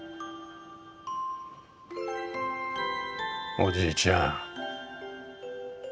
おじいちゃん。